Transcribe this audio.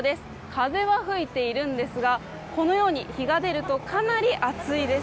風は吹いているんですがこのように、日が出るとかなり暑いです。